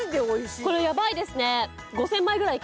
これヤバいですね。